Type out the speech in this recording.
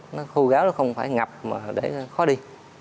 nó khô gáo nó không phải ngập mà để khó đi